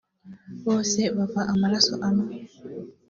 bose bava amaraso amwe